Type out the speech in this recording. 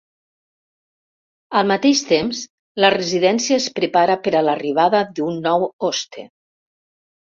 Al mateix temps, la residència es prepara per a l'arribada d'un nou hoste.